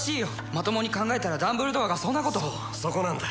まともに考えたらダンブルドアがそんなことそうそこなんだ